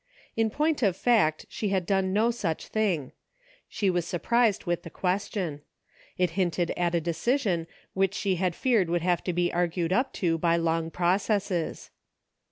In point of fact she had done no such thing. She was surprised with the ques tion. It hinted at a decision which she had feared would have to be argued up to by long processes.